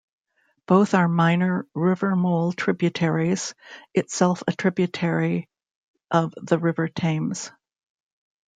Both are minor River Mole tributaries, itself a tributary of the River Thames.